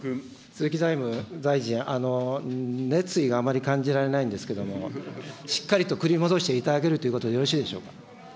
鈴木財務大臣、熱意があまり感じられないんですけれども、しっかりと繰り戻していただけるということでよろしいでしょうか。